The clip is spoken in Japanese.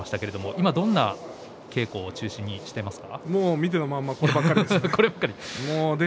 今どんな稽古を中心にしていますか？